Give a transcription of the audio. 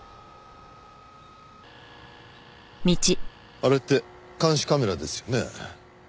あれって監視カメラですよね？